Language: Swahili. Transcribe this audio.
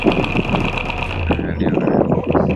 Maeneo yaliyo karibu na Kazakhstan hupokea pekee kwa mwaka